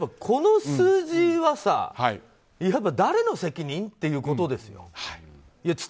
この数字は誰の責任？っていうことですよ。